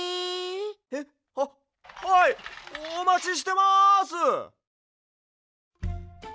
へっ？ははいおまちしてます！